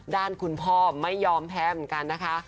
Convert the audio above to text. ด้านคุณพ่อไม่ยอมแพ้เหมือนกันนะคะ